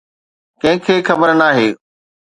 ڪنهن کي خبر ناهي.